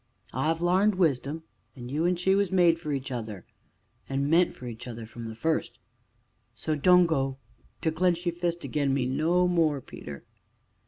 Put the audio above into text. I've larned wisdom, an' you an' she was made for each other an' meant for each other from the first; so don't go to clench ye fists again me no more, Peter."